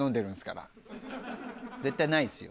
絶対ないっすよ。